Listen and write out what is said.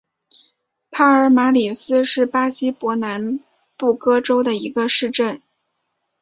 帕尔马里斯是巴西伯南布哥州的一个市镇。